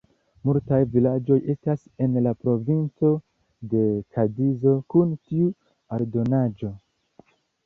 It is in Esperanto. Multaj vilaĝoj estas en la Provinco de Kadizo kun tiu aldonaĵo.